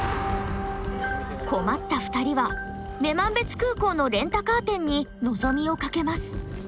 困った２人は女満別空港のレンタカー店に望みをかけます。